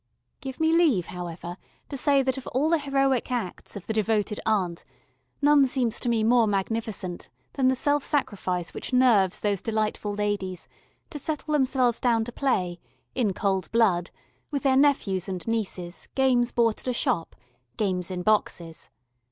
Give me leave, however, to say that of all the heroic acts of the devoted aunt, none seems to me more magnificent than the self sacrifice which nerves those delightful ladies to settle themselves down to play, in cold blood, with their nephews and nieces games bought at a shop, games in boxes.